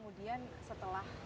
mari kita lihat retrouver masih baru